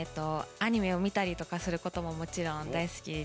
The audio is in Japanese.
アニメを見たりとかする事ももちろん大好きです。